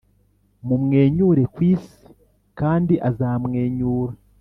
mumwenyure ku isi, kandi azamwenyura.